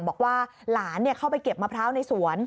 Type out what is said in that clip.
บอกว่าหลานเข้าไปเก็บมะพร้าวในสวน